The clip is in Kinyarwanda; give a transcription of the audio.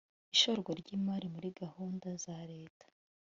ishorwa ryimari muri gahunda zareta